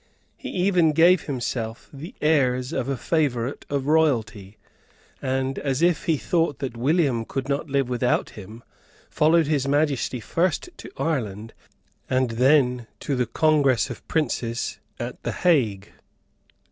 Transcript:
He even gave himself the airs of a favourite of royalty, and, as if he thought that William could not live without him, followed His Majesty first to Ireland, and then to the Congress of Princes at the Hague.